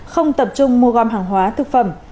không tập trung mua gom hàng hóa thực phẩm